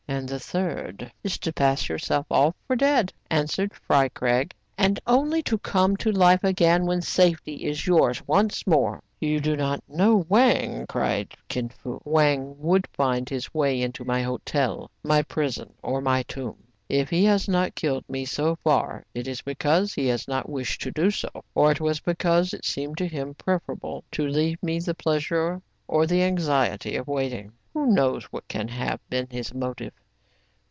*'" And the third ?"Is to pass yourself off for dead," answered Fry Craig, " and only to come to life again when safety is yours once more. "You do not know Wang,*' cried Kin Fo. "Wang would find his way into my hotel, my prison, or my tomb. If he has not killed me so far, it is because he has not wished to do so, or it was because it seemed to him preferable to leave me the pleasure or the anxiety of waiting. Who knows what can have been his motive